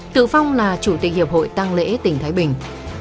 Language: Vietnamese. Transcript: tự phong là chủ tịch hiệp hội tăng lễ tỉnh thái bình